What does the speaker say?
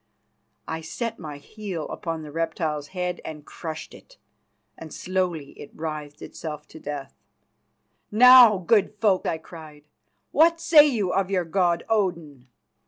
I set my heel upon the reptile's head and crushed it, and slowly it writhed itself to death. "Now, good folk," I cried, "what say you of your god Odin?"